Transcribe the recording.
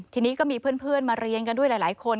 ทีนี้ก็มีเพื่อนมาเรียนกันด้วยหลายคน